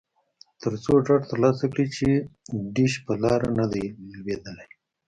ترڅو ډاډ ترلاسه کړي چې ډیش په لاره نه دی لویدلی